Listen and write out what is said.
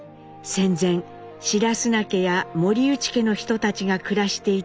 戦前白砂家や森内家の人たちが暮らしていた弥生町。